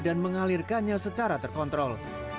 dan mengalirkannya secara terkontrol